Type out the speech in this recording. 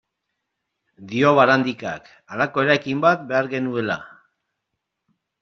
Dio Barandikak, halako eraikin bat behar genuela.